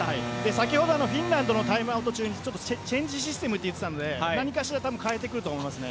先ほど、フィンランドタイムアウト中にチェンジシステムって言っていたので何かしら変えてくると思います。